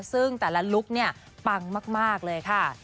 ซึ่งแต่ละลุคเนี่ยปังมากเลยค่ะ